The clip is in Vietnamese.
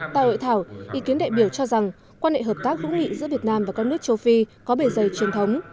tại hội thảo ý kiến đại biểu cho rằng quan hệ hợp tác hữu nghị giữa việt nam và các nước châu phi có bề dày truyền thống